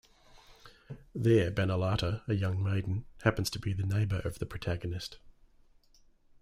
There Banalata, a young maiden, happens to be the neighbour of the protagonist.